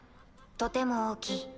とても大きい。